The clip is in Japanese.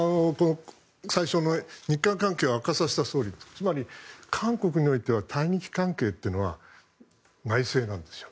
最初の日韓関係を悪化させた総理ってつまり、韓国においては対日関係というのは内政なんですよ。